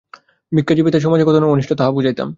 ভিক্ষাজীবিতায় সমাজের কত অনিষ্ট তাহা বুঝাইতাম।